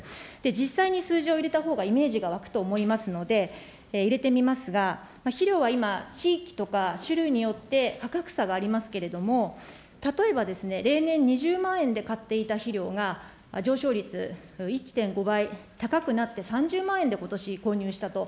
実際に数字を入れたほうがイメージが湧くと思いますので、入れてみますが、肥料は今、地域とか種類によって価格差がありますけれども、例えばですね、例年２０万円で買っていた肥料が、上昇率１．５倍、高くなって３０万円で、ことし、購入したと。